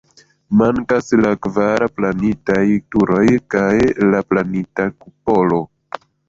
Mankas la kvar planitaj turoj kaj la planita kupolo.